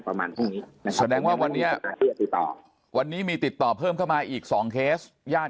ประมาณพรุ่งนี้วันนี้มีติดต่อเพิ่มเข้ามาอีก๒เคสยาด